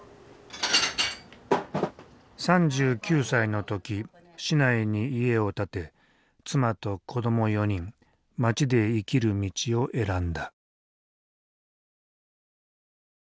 ３９歳の時市内に家を建て妻と子ども４人町で生きる道を選んだ。